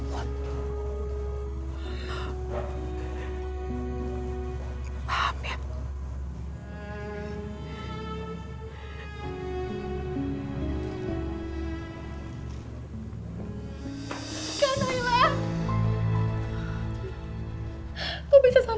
maafin aku aku gak ada waktu itu sayang